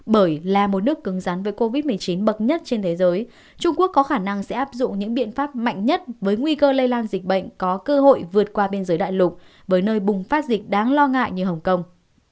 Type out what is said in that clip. bởi là một nước cứng rắn với covid một mươi chín bậc nhất trên thế giới trung quốc có khả năng sẽ áp dụng những biện pháp mạnh nhất với nguy cơ lây lan dịch bệnh có cơ hội vượt qua biên giới đại lục với nơi bùng phát dịch đáng lo ngại như hồng kông